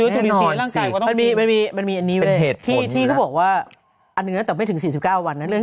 โดยมีมันมีมีมีที่พูดว่าอันนึงต่อไม่ถึง๔๙วันแล้วเรื่อง